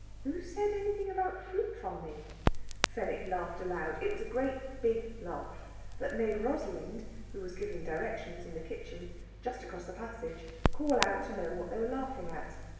"Who said anything about fruit farming?" Fenwick laughed aloud. It was a great big laugh, that made Rosalind, who was giving directions in the kitchen, just across the passage, call out to know what they were laughing at.